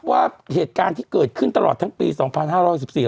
ว่าเหตุการณ์ที่เกิดขึ้นตลอดทั้งปีสองพันห้าร้อยสิบสี่